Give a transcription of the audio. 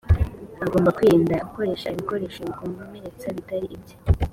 agomba kwirinda gukoresha ibikoresho bikomeretsa bitari ibye